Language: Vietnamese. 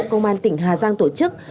công an tỉnh hà giang tổ chức